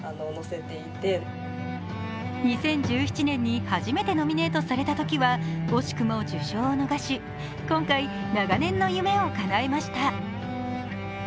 ２０１７年に初めてノミネートされたときは惜しくも受賞を逃し、今回、長年の夢をかなえました。